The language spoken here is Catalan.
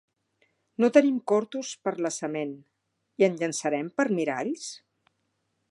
-No tenim cortos per la sement… i en llançarem per miralls?